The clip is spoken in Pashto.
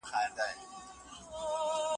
زموږ په بېلتون کې د غنم غوندې چاودیږي وطن